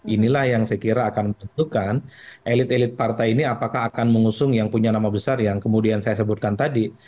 inilah yang saya kira akan menentukan elit elit partai ini apakah akan mengusung yang punya nama besar yang kemudian saya sebutkan tadi